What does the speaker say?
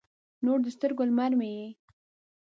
نور د سترګو، لمر مې یې